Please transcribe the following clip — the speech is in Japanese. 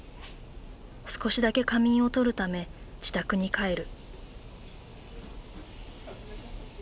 少しだけ仮眠を取るため自宅に帰る。